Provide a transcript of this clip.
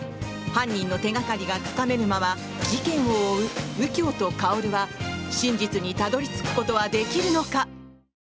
犯人の手掛かりがつかめぬまま事件を追う右京と薫は真実にたどり着くことはできるのか。